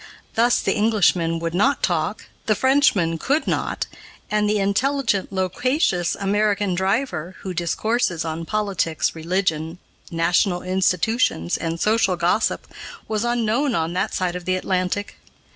Thus the Englishman would not talk, the Frenchman could not, and the intelligent, loquacious American driver, who discourses on politics, religion, national institutions, and social gossip was unknown on that side of the Atlantic.